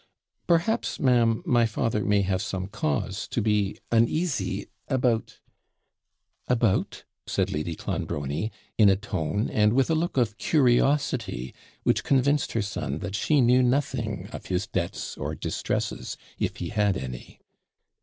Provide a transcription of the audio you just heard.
'Perhaps, ma'am, my father may have some cause to be uneasy about ' 'About?' said Lady Clonbrony, in a tone, and with a look of curiosity which convinced her son that she knew nothing of his debts or distresses, if he had any.